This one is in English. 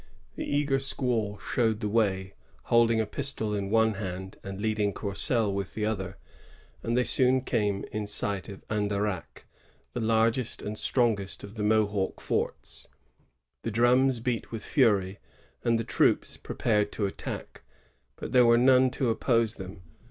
The eager squaw showed the way, holding a pistol in one hand and leading Courcelle with the other; and they soon came in sight of Andaraqu^, the largest and strongest of the Mohawk forts. The drums beat with fury, and the troops prepared to attack; but there were none to oppose them.